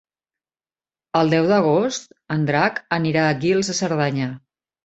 El deu d'agost en Drac anirà a Guils de Cerdanya.